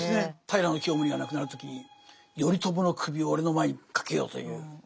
平清盛が亡くなる時に「頼朝の首を俺の前にかけよ」という。